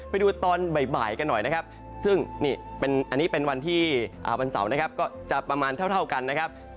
ไปดูตอนบ่ายกันหน่อยนะครับซึ่งนี่อันนี้เป็นวันที่วันเสาร์นะครับก็จะประมาณเท่ากันนะครับ